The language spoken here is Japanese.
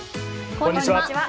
こんにちは。